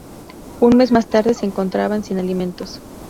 Un mes más tarde se encontraban sin alimentos.